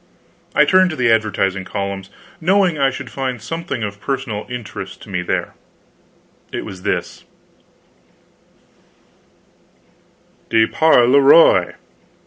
I turned to the advertising columns, knowing I should find something of personal interest to me there. It was this: DE PAR LE ROI.